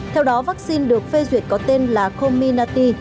theo đó vaccine được phê duyệt có tên là cominati